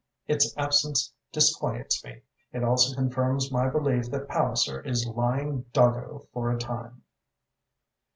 "Its absence disquiets me. It also confirms my belief that Palliser is lying doggo for a time."